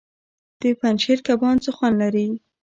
د پنجشیر کبان څه خوند لري؟